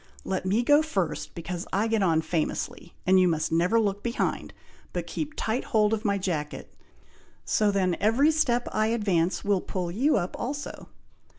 Let me go first, because I get on famously, and you must never look behind, but keep tight hold of my jacket, so then every step I advance will pull you up also."